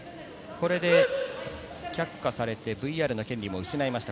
これで却下されてＶＲの権利も失いました。